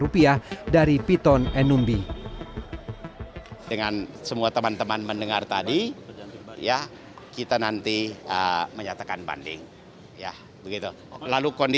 rupiah dari piton numbi